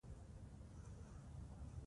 نفت د افغانستان د بڼوالۍ برخه ده.